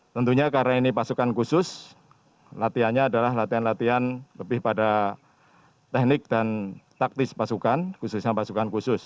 tentunya karena ini pasukan khusus latihannya adalah latihan latihan lebih pada teknik dan taktis pasukan khususnya pasukan khusus